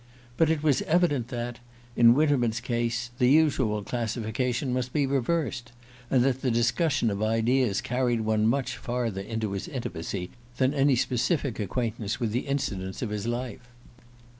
But it was evident that, in Winterman's case, the usual classification must be reversed, and that the discussion of ideas carried one much farther into his intimacy than any specific acquaintance with the incidents of his life.